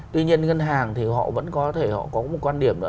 tuy nhiên ngân hàng thì họ vẫn có thể họ có một quan điểm nữa